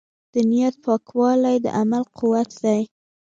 د نیت پاکوالی د عمل قوت دی.